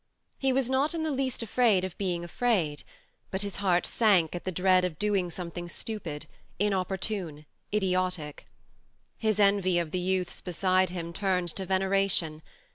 He was not in the least afraid of being afraid, but his heart sank at the dread of doing some thing stupid, inopportune, idiotic. His envy of the youths beside him turned to veneration.